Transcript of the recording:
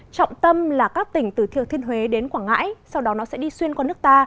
trọng tâm là các tỉnh từ thiên huế đến quảng ngãi sau đó nó sẽ đi xuyên qua nước ta